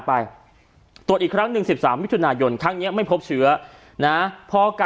เพราะมันไม่พบเชื้อเนอะ